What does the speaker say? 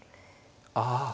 ああ。